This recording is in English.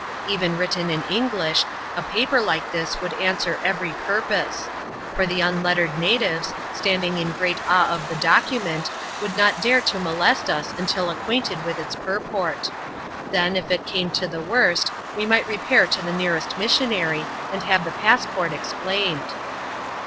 Even written in English, a paper like this would answer every purpose ; for the unlettered natives, standing in great awe of the document, would not dare to molest us until acquainted with its purport. Then, if it came to the worst, we might repair to the nearest missionary, and have the passport explained.